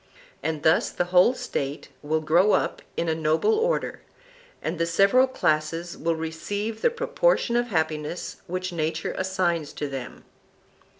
And thus the whole State will grow up in a noble order, and the several classes will receive the proportion of happiness which nature assigns to them.